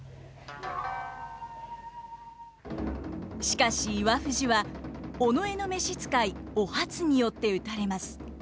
しかし岩藤は尾上の召し使いお初によって討たれます。